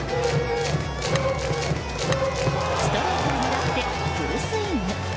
ストレートを狙ってフルスイング！